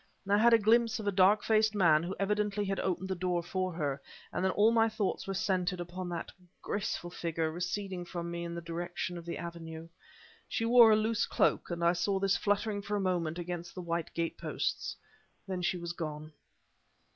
I had a glimpse of a dark faced man who evidently had opened the door for her, then all my thoughts were centered upon that graceful figure receding from me in the direction of the avenue. She wore a loose cloak, and I saw this fluttering for a moment against the white gate posts; then she was gone.